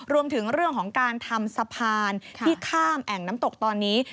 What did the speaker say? รวมถึงเรื่องของการทำสะพานที่ข้ามแอ่งน้ำตกตอนนี้